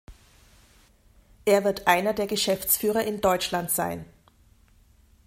Er wird einer der Geschäftsführer in Deutschland sein.